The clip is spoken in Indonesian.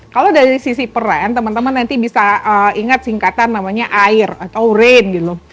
kalau dari sisi peran teman teman nanti bisa ingat singkatan namanya air atau rain gitu